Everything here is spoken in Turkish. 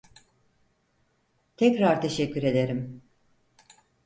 Tekrar teşekkür ederim.